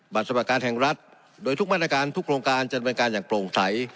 สำหรับการแห่งรัฐโดยทุกมาตรการทุกโครงการจะดำเนินการอย่างโปร่งใส